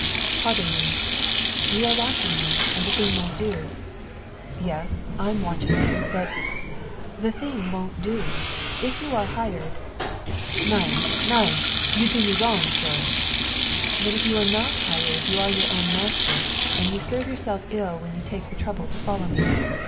"Pardon me " "You are watching me; and the thing won't do." "Yes, I'm watching you; but " "But the thing won't do! If you are hired " "Nein! Nein! You do me a wrong, sir." "Then if you are not hired you are your own master, and you serve yourself ill when you take the trouble to follow me.